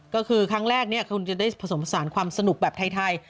ก็คือครั้งแรกคุณจะได้ผสมผสานความสนุกแบบไทย